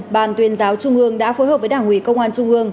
ban tuyên giáo trung ương đã phối hợp với đảng ủy công an trung ương